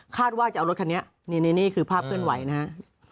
ว่าจะเอารถคันนี้นี่คือภาพเคลื่อนไหวนะฮะ